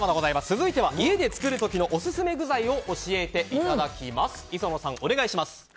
続いては家で作る時のオススメ具材を教えていただきます。